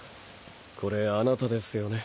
これあなたですよね？